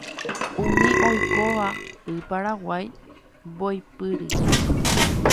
Umi oikóva Y Paraguay mboypýri